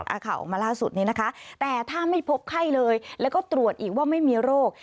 เอาข่าวออกมาล่าสุดนี้นะคะแต่ถ้าไม่พบไข้เลยแล้วก็ตรวจอีกว่าไม่มีโรค